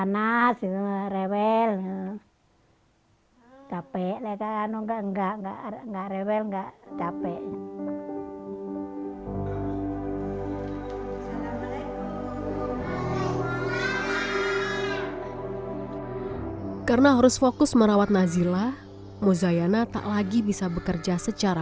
nazila selalu mengalami penyakit tersebut